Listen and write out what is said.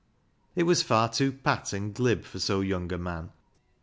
It was far too pat and glib for so young a man.